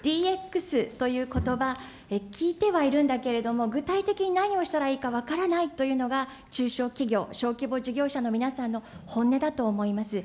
ＤＸということば、聞いてはいるんだけれども、具体的に何をしたらいいか分からないというのが中小企業・小規模事業者の皆さんの本音だと思います。